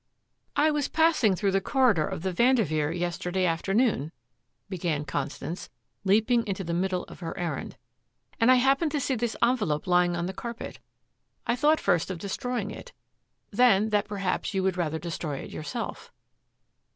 "I was passing through the corridor of the Vanderveer yesterday afternoon," began Constance, leaping into the middle of her errand, "and I happened to see this envelope lying on the carpet. I thought first of destroying it; then that perhaps you would rather destroy it yourself."